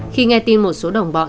khi nghe tin một số đồng bọn